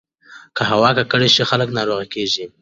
که هوا ککړه شي، خلک ناروغ کېږي.